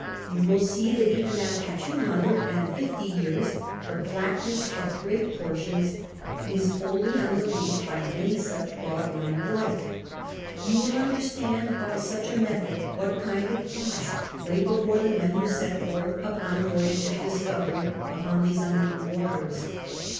You will see that even after two hundred and fifty years the blackness of great portions is wholly unrelieved by any such broad line of light. You will understand by such a method what kind of task lay before the men who set forth upon a voyage of discovery upon those unknown waters.